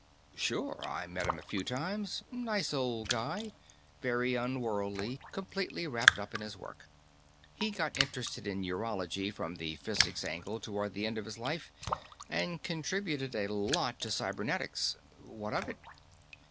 "Sure, I met him a few times. Nice old guy, very unworldly, completely wrapped up in his work. He got interested in neurology from the physics angle toward the end of his life, and contributed a lot to cybernetics. What of it?"